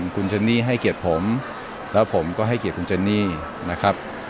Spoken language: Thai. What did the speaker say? คุณเจนนี่ให้เกียรติผมแล้วผมก็ให้เกียรติคุณเจนนี่นะครับ